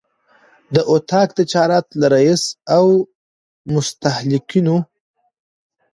د اطاق تجارت له رئیس او د مستهلکینو